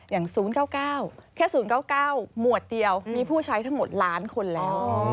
๐๙๙แค่๐๙๙หมวดเดียวมีผู้ใช้ทั้งหมดล้านคนแล้ว